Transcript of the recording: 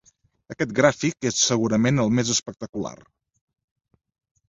Aquest gràfic és segurament el més espectacular.